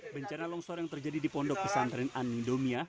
bencana longsor yang terjadi di pondok pesantren anidomia